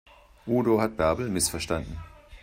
Udo hat Bärbel missverstanden.